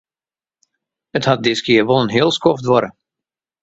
It hat diskear wol in heel skoft duorre.